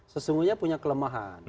sesungguhnya punya kelemahan